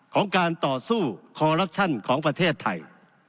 ของการต่อสู้ของประเทศไทย